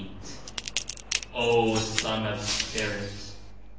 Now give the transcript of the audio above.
[K] O Son of Spirit